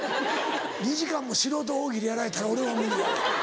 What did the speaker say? ２時間も素人大喜利やられたら俺は無理や。